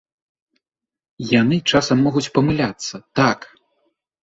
Яны часам могуць памыляцца, так.